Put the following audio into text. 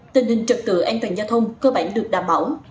tình hình trật tự an toàn giao thông cơ bản được đảm bảo